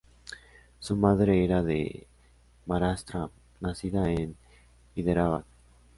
Su madre era de Maharashtra, nacida en Hyderabad.